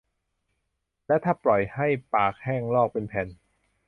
เพราะถ้าปล่อยให้ปากแห้งลอกเป็นแผ่น